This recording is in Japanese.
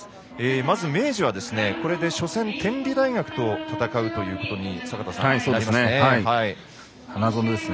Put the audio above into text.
まず明治は、これで初戦天理大学と戦うということになりますね。